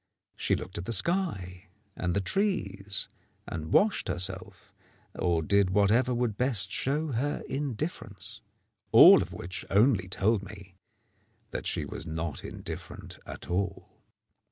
She looked at the sky and the trees, and washed herself, or did whatever would best show her indifference. All of which only told me that she was not indifferent at all.